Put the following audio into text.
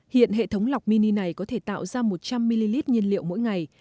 hiện hệ thống lọc mini này có thể tạo ra một trăm linh ml nhiên liệu mỗi ngày